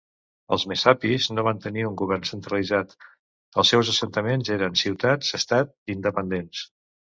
Els messapis no van tenir un govern centralitzat, els seus assentaments eren ciutats estat independents.